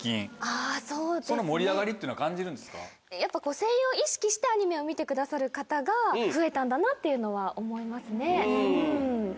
声優を意識してアニメを見てくださる方が増えたんだなっていうのは思いますね。